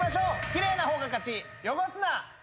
キレイな方が勝ち！